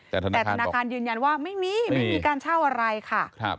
แต่ธนาคารยืนยันว่าไม่มีไม่มีการเช่าอะไรค่ะ